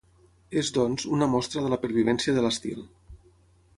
És, doncs, una mostra de la pervivència de l'estil.